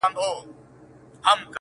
• نو ګوربت ایله آګاه په دې اسرار سو ,